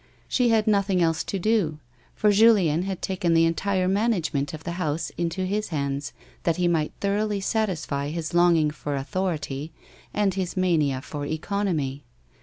She had nothing else to do for Julieu had taken the en tire management of the house into his hands, that he might thoroughly satisfy his longing for authority, and his mania for economy.